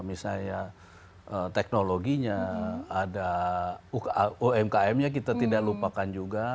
misalnya teknologinya ada umkm nya kita tidak lupakan juga